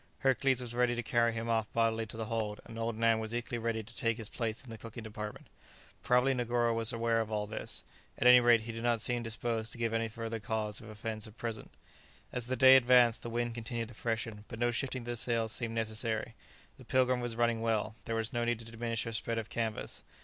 Hercules was ready to carry him off bodily to the hold, and old Nan was equally ready to take his place in the cooking department. Probably Negoro was aware of all this; at any rate he did not seem disposed to give any further cause of offence at present. [Illustration: Jack evidenced his satisfaction by giving his huge friend a hearty shake of the hand.] As the day advanced the wind continued to freshen; but no shifting of the sails seemed necessary. The "Pilgrim" was running well. There was no need to diminish her spread of canvas.